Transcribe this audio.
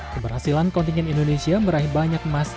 keberhasilan kontingen indonesia meraih banyak emas